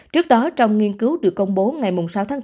trước đó trong nghiên cứu được công bố ngày sáu tháng bốn